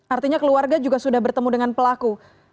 artinya keluarga juga sudah bertemu dengan pelaku